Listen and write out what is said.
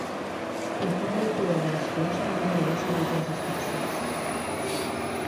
La forma i color de les flors també varia segons les espècies.